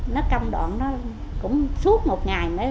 nó công đoạn nó cũng suốt một ngày